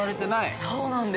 そうなんです。